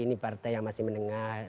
ini partai yang masih menengah